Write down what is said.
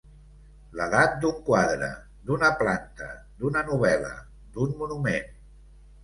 L'edat d'un quadre, d'una planta, d'una novel·la, d'un monument.